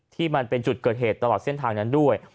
ที่มันเป็นจุดเกิดเหตุตลอดเส้นทางนั้นด้วย